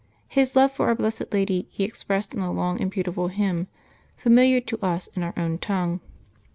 His love for our blessed Lady he expressed in a long and beautiful hymn, familiar to us in our own tongue.